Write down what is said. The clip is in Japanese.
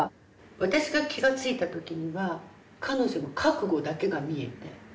私が気が付いた時には彼女の覚悟だけが見えて。